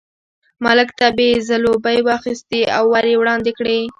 ملک ته یې ځلوبۍ واخیستې او ور یې وړاندې کړې.